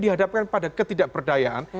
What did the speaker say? dihadapkan pada ketidakperdayaan